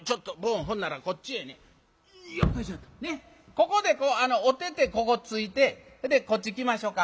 ここでこうお手々ここついてそれでこっち来ましょか。